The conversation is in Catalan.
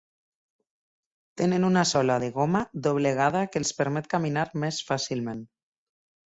Tenen una sola de goma doblegada que els permet caminar més fàcilment.